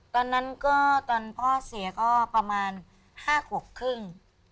ตอนนั้นก็ตอนพ่อเสียก็ประมาณ๕ขวบครึ่ง